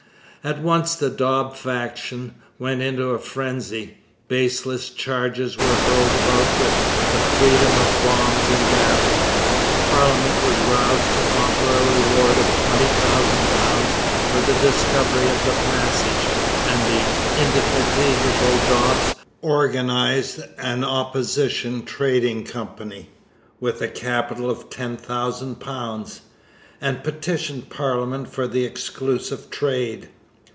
At once the Dobbs faction went into a frenzy. Baseless charges were hurled about with the freedom of bombs in a battle. Parliament was roused to offer a reward of £20,000 for the discovery of the Passage, and the indefatigable Dobbs organized an opposition trading company with a capital of £10,000 and petitioned parliament for the exclusive trade.